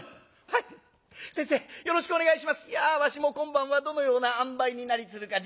「いやわしも今晩はどのようなあんばいになりつるか実に楽しみだ。